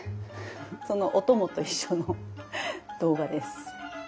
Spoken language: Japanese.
そのオトモと一緒の動画です。